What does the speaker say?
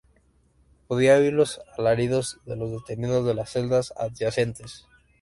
Podía oír los alaridos de los detenidos en las celdas adyacentes"".